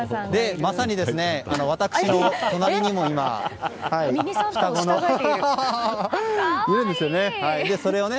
まさに私の隣にも双子がいるんですよね。